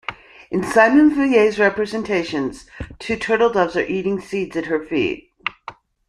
In Simon Vouet's representations, two turtle-doves are eating seeds at her feet.